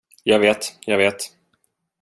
Jag vet, jag vet.